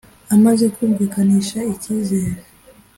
amaze kumvikanisha icyizere